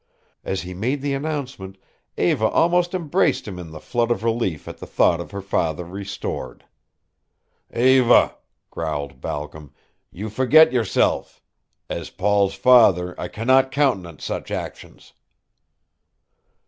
As he made the announcement, Eva almost embraced him in the flood of relief at the thought of her father restored. "Eva," growled Balcom, "you forget yourself. As Paul's father, I cannot countenance such actions."